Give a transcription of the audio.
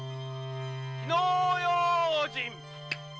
・火の用心！